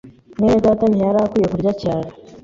mwene data ntiyari akwiye kurya cyane.